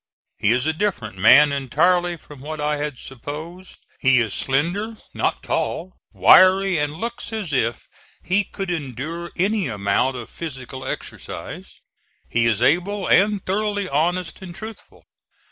He is a different man entirely from what I had supposed. He is slender, not tall, wiry, and looks as if he could endure any amount of physical exercise. He is able, and thoroughly honest and truthful.